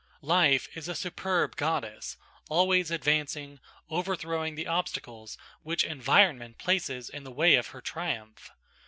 Life is a superb goddess, always advancing, overthrowing the obstacles which environment places in the way of her triumph.